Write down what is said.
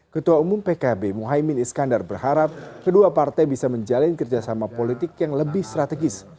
ketua umum pkb muhaymin iskandar berharap kedua partai bisa menjalin kerjasama politik yang lebih strategis